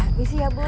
permisi ya bu